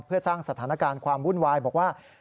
เพื่อสร้างสถานการณ์ความวุ่นวายบอกว่า